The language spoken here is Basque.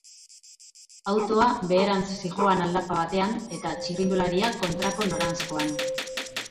Autoa beherantz zihoan aldapa batean eta, txirrindularia, kontrako noranzkoan.